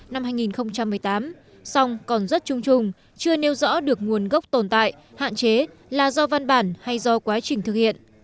năm hai nghìn một mươi tám song còn rất chung chung chưa nêu rõ được nguồn gốc tồn tại hạn chế là do văn bản hay do quá trình thực hiện